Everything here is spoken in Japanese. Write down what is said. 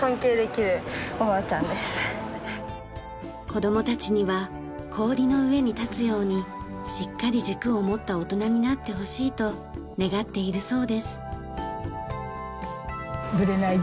子どもたちには氷の上に立つようにしっかり軸を持った大人になってほしいと願っているそうです。